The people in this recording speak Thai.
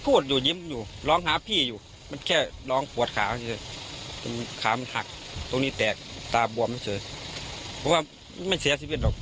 เพราะว่าไม่เสียชีวิตหรอก